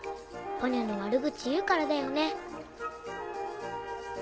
ポニョの悪口言うからだよね。